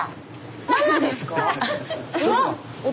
ママですか？